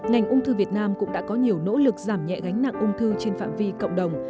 ngành ung thư việt nam cũng đã có nhiều nỗ lực giảm nhẹ gánh nặng ung thư trên phạm vi cộng đồng